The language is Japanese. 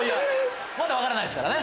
まだ分からないですからね。